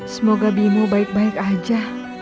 semoga bimu baik baik aja